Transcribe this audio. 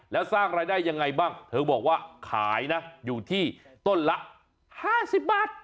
แล้วสร้างรายได้ยังไงบ้างเธอบอกว่าขายนะอยู่ที่ต้นละ๕๐บาท